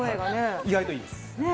意外といいんです。